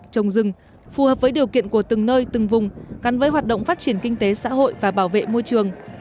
trồng rừng phù hợp với điều kiện của từng nơi từng vùng gắn với hoạt động phát triển kinh tế xã hội và bảo vệ môi trường